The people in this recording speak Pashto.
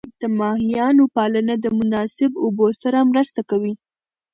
د ماهیانو پالنه د مناسب اوبو سره مرسته کوي.